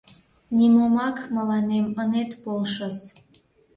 Нимомак мыланем ынет полшыс...